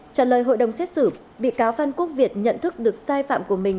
trả lời hội đồng xét xử bị cáo phan quốc việt nhận thức được sai phạm của mình